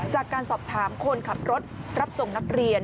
จากการสอบถามคนขับรถรับส่งนักเรียน